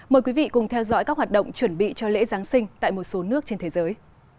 mời quý vị cùng theo dõi các hoạt động chuẩn bị cho lễ giáng sinh tại một số nước trên thế giới